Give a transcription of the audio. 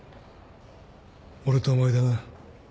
俺とお前でな